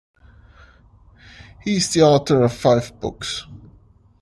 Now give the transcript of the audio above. He's the author of five books.